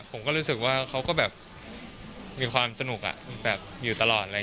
ผมก็รู้สึกว่าเขาก็แบบมีความสนุกอยู่ตลอดอะไร